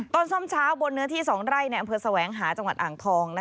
ซ่อมเช้าบนเนื้อที่๒ไร่ในอำเภอแสวงหาจังหวัดอ่างทอง